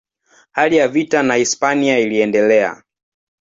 Hali ya vita na Hispania iliendelea.